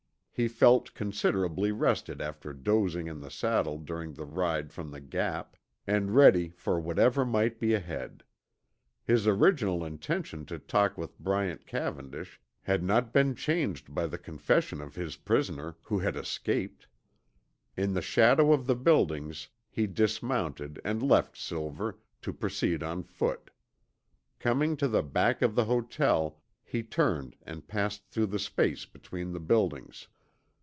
He felt considerably rested after dozing in the saddle during the ride from the Gap, and ready for whatever might be ahead. His original intention to talk with Bryant Cavendish had not been changed by the confession of his prisoner, who had escaped. In the shadow of the buildings he dismounted and left Silver, to proceed on foot. Coming to the back of the hotel, he turned and passed through the space between the buildings.